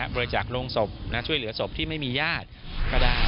บริจาคโรงศพช่วยเหลือศพที่ไม่มีญาติก็ได้